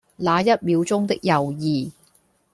那一秒鐘的猶豫